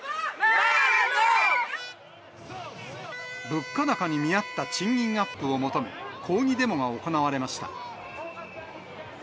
物価高に見合った賃金アップを求め、抗議デモが行われました。